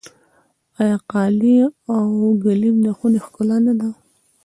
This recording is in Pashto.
آیا قالي او ګلیم د خونې ښکلا نه ده؟